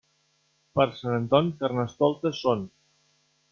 Per Sant Anton, Carnestoltes són.